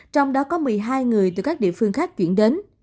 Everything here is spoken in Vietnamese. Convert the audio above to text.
trong đó có một mươi hai người từ các địa phương khác chuyển đến